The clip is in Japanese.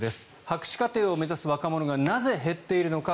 博士課程を目指す若者がなぜ減っているのか。